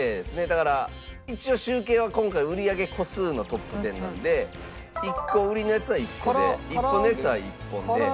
だから一応集計は今回売り上げ個数のトップ１０なので１個売りのやつは１個で１本のやつは１本で。